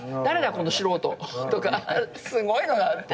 この素人」とかすごいのがあって。